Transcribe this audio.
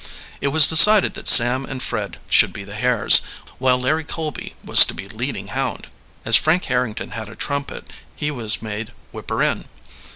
It was decided that Sam and Fred should be the hares, while Larry Colby was to be leading hound. As Frank Harrington had a trumpet he was made whipper in.